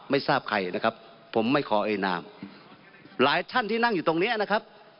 ไม่ทราบใครนะครับผมไม่ขอเอ่ยนามหลายท่านที่นั่งอยู่ตรงเนี้ยนะครับ